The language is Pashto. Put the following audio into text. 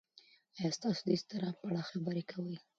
ایا تاسو د اضطراب په اړه خبرې کوئ؟